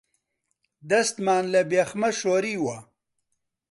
دەستمان لە بێخمە شۆریوە